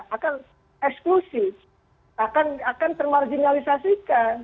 akan eksklusif akan termarginalisasikan